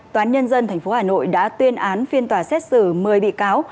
toán nhân dân tp hcm đã tuyên án phiên tòa xét xử một mươi bị cáo